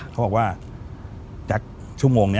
เขาบอกว่าจากชั่วโมงนี้